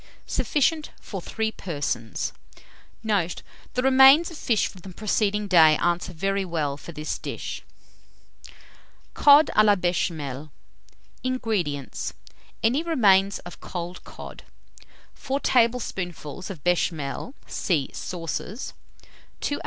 Sufficient for 3 persons. Note. The remains of fish from the preceding day answer very well for this dish. COD A LA BECHAMEL. 239. INGREDIENTS. Any remains of cold cod, 4 tablespoonfuls of béchamel (see Sauces), 2 oz.